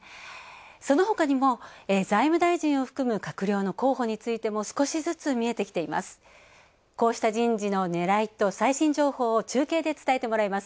そのほかにも財務大臣を含む閣僚の候補についても少しずつ見えてきています。